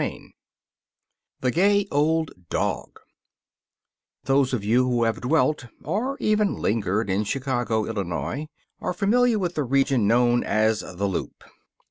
said we. The Gay Old Dog Those of you who have dwelt or even lingered in Chicago, Illinois, are familiar with the region known as the Loop.